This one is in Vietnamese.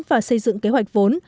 và xây dựng kế hoạch vốn